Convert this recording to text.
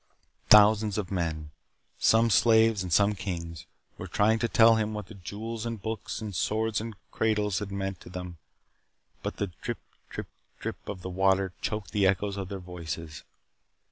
Thousands of men, some slaves and some kings, were trying to tell him what the jewels and books, and swords and cradles had meant to them but the drip drip drip of the water choked the echoes of their voices.